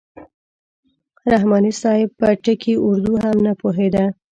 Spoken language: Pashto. رحماني صاحب په ټکي اردو هم نه پوهېده.